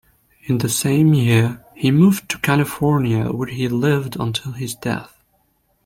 In the same year he moved to California, where he lived until his death.